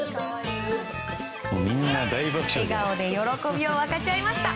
笑顔で喜びを分かち合いました。